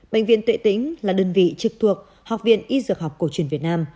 bệnh viện tuệ tĩnh là đơn vị trực thuộc học viện y dược học cổ truyền việt nam